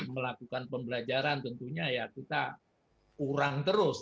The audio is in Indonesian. melakukan pembelajaran tentunya ya kita kurang terus